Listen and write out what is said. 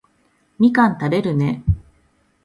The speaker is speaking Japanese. みかん食べるね